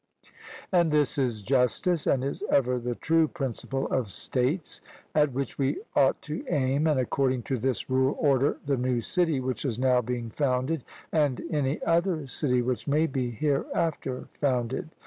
And this is justice, and is ever the true principle of states, at which we ought to aim, and according to this rule order the new city which is now being founded, and any other city which may be hereafter founded.